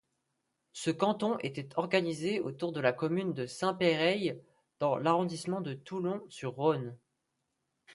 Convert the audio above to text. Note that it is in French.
Ce canton était organisé autour de la commune de Saint-Péray dans l'arrondissement de Tournon-sur-Rhône.